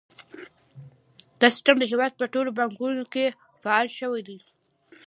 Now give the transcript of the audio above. دا سیستم د هیواد په ټولو بانکونو کې فعال شوی دی۔